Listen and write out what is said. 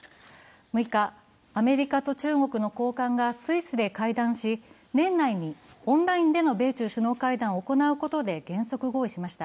６日、アメリカと中国の高官がスイスで会談し、年内にオンラインでの米中首脳会談を行うことで原則合意しました。